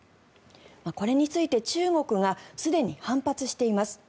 これについて中国がすでに反発しています。